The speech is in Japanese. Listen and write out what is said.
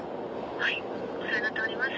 はいお世話になっております。